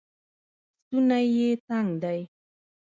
ستونی یې تنګ دی